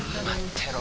てろ